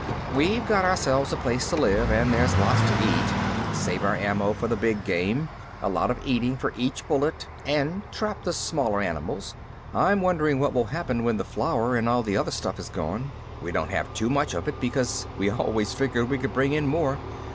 "We've got ourselves a place to live and there's lots to eat. Save our ammo for the big game a lot of eating for each bullet and trap the smaller animals." "I'm wondering what will happen when the flour and all the other stuff is gone. We don't have too much of it because we always figured we could bring in more."